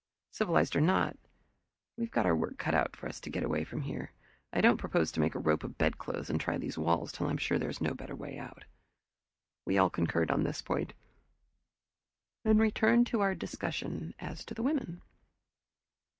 "Civilized or not, we've got our work cut out for us to get away from here. I don't propose to make a rope of bedclothes and try those walls till I'm sure there is no better way." We all concurred on this point, and returned to our discussion as to the women.